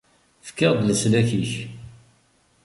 Efk-aɣ-d leslak-ik!